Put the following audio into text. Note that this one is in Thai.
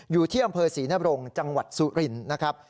อยู่ที่อำเภอศรีนบรงจังหวัดสุรินทร์นะครับ